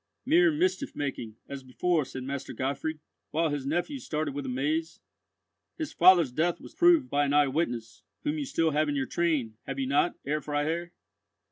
'" "Mere mischief making, as before," said Master Gottfried, while his nephews started with amaze. "His father's death was proved by an eye witness, whom you still have in your train, have you not, Herr Freiherr?"